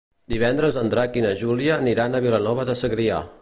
Divendres en Drac i na Júlia aniran a Vilanova de Segrià.